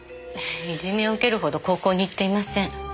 いじめを受けるほど高校に行っていません。